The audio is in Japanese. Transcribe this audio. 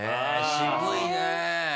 渋いねえ！